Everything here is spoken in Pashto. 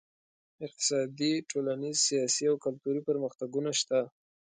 اقتصادي، ټولنیز، سیاسي او کلتوري پرمختګونه شته.